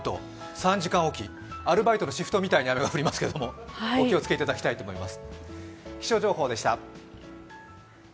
３時間置き、アルバイトのシフトみたいに雨が降りますけれども、お気をつけ頂きたいと思います。